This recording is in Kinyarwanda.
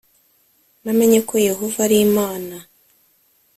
Namenye ko Yehova ari Imana